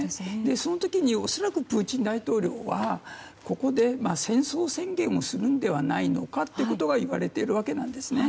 その時に恐らくプーチン大統領はここで、戦争宣言をするのではないかといわれているわけなんですね。